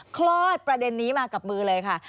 คลอดประเด็นนี้มากับมือเลยค่ะ